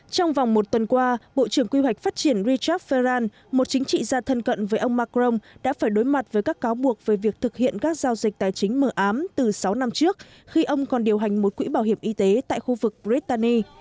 trong vòng một tuần qua bộ trưởng quy hoạch phát triển richard ferran một chính trị gia thân cận với ông macron đã phải đối mặt với các cáo buộc về việc thực hiện các giao dịch tài chính mở ám từ sáu năm trước khi ông còn điều hành một quỹ bảo hiểm y tế tại khu vực brittany